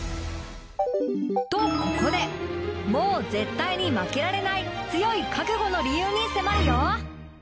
とここでもう絶対に負けられない強い覚悟の理由に迫るよ！